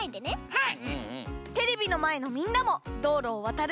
はい！